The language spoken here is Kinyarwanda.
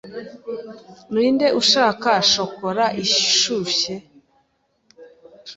Ninde ushaka shokora ishushe?